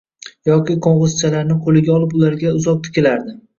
Yoki qoʻngʻizchalarni qoʻliga olib ularga uzoq tikilardi.